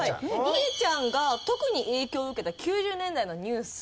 いげちゃんが特に影響を受けた９０年代のニュース